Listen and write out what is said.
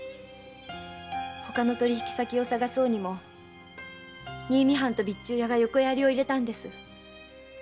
他の取引先を探そうにも新見藩と備中屋が横やりを入れたんです。